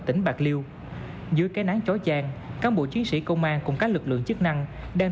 tỉnh bạc liêu dưới cái nắng chói chan cán bộ chiến sĩ công an cùng các lực lượng chức năng đang